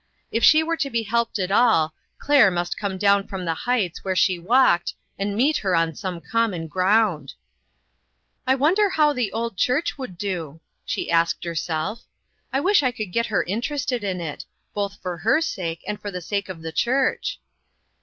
If she were to be helped at all, Claire must come down from the heights where she walked and meet her on some common ground. "I wonder how the old church would do?" she asked herself. " I wish I could get her interested in it, both for her sake and for the sake of the church."